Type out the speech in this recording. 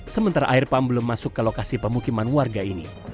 sementara air pump belum masuk ke lokasi pemukiman warga ini